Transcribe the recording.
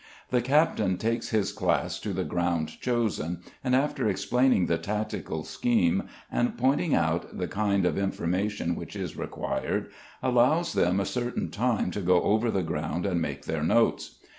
The Captain takes his class to the ground chosen, and, after explaining the tactical scheme, and pointing out the kind of information which is required, allows them a certain time to go over the ground and make their notes.